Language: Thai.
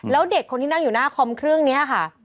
แล้วเด็กคนที่นั่งอยู่หน้าคอมเครื่องนี้ค่ะ